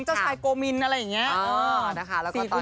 เจ้าชายโกมินอะไรอย่างนี้